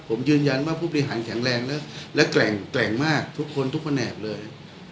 ผมยืนยันว่าผู้บริหารแข็งแรงแล้วและแกร่งแกร่งมากทุกคนทุกคนแนบเลย